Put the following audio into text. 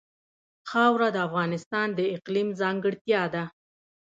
خاوره د افغانستان د اقلیم ځانګړتیا ده.